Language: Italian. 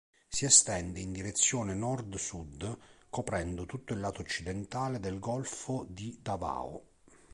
Si estende in direzione nord-sud coprendo tutto il lato occidentale del golfo di Davao.